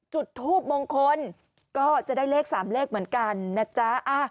จุดทูปมงคลก็จะได้เลข๓เลขเหมือนกันนะจ๊ะ